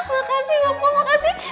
makasih papa makasih